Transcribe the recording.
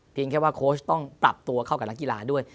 แค่ว่าโค้ชต้องปรับตัวเข้ากับนักกีฬาด้วย